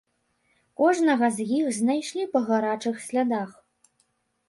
Кожнага з іх знайшлі па гарачых слядах.